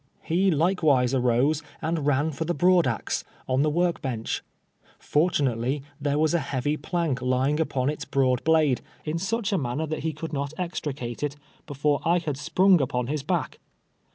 lie likewise arose and ran for the broad axe, on the work bench. Fortunately, there was a heavy jdank lying npon its broad Idade, in such a manner that he could not extricate it, before I had sprung nj^on his back.